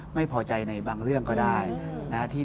ไม่พอใจในบางเรื่องก็ได้นะฮะ